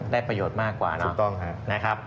ได้ประโยชน์มากกว่า